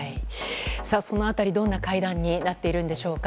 その辺り、どんな会談になっているんでしょうか。